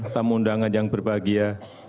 tamu undangan yang berbahagia